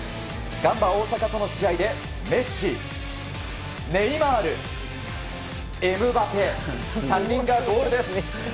ガンバ大阪との試合でメッシ、ネイマールエムバペ、３人がゴールです。